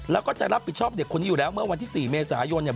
แล้วก็จะรับผิดชอบเด็กคนนี้อยู่แล้วเมื่อวันที่๔เมษายนเนี่ย